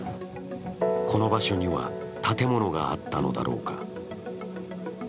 この場所には建物があったのだろうか。